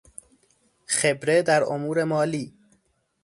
خبره در امور مالی